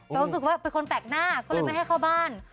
ก็รู้สึกว่าเป็นคนแปลกหน้าก็เลยไม่ให้เข้าบ้าน